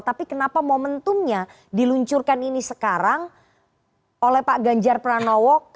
tapi kenapa momentumnya diluncurkan ini sekarang oleh pak ganjar pranowo